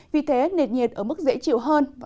vì thế nệt nhiệt ở mức dễ chịu hơn